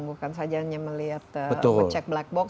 bukan saja hanya melihat mengecek black box